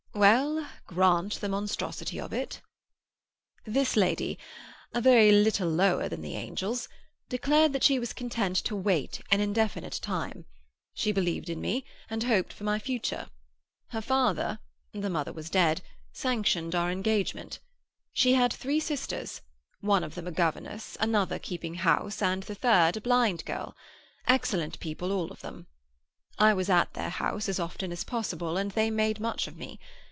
"Well, grant the monstrosity of it." "This lady—a very little lower than the angels—declared that she was content to wait an indefinite time. She believed in me, and hoped for my future. Her father—the mother was dead—sanctioned our engagement. She had three sisters, one of them a governess, another keeping house, and the third a blind girl. Excellent people, all of them. I was at their house as often as possible, and they made much of me.